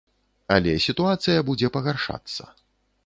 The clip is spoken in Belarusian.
Але сітуацыя будзе пагаршацца.